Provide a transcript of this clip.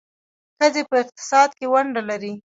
ښځې په اقتصاد کې ونډه لري.